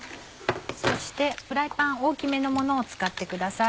そしてフライパン大きめのものを使ってください。